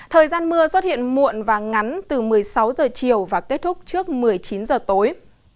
thời gian mưa xuất hiện muộn và ngắn từ một mươi sáu h chiều và kết thúc trước một mươi chín h tối